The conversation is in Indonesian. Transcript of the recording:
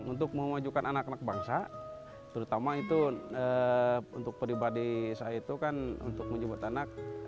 untuk memajukan anak anak bangsa terutama itu untuk pribadi saya itu kan untuk menjemput anak